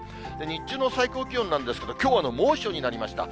日中の最高気温なんですけど、きょう、猛暑になりました。